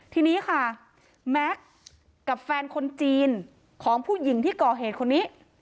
ทีนี้ค่ะแม็กซ์กับแฟนคนจีนของผู้หญิงที่ก่อเหตุคนนี้